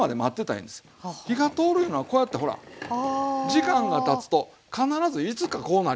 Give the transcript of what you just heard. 時間がたつと必ずいつかこうなりますから。